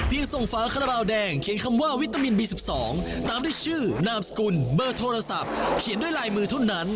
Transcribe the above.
ส่งฝาคาราบาลแดงเขียนคำว่าวิตามินบี๑๒ตามด้วยชื่อนามสกุลเบอร์โทรศัพท์เขียนด้วยลายมือเท่านั้น